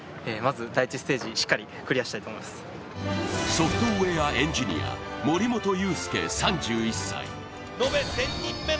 ソフトウェアエンジニア森本裕介３１歳。